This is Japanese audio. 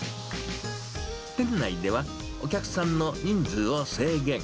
店内では、お客さんの人数を制限。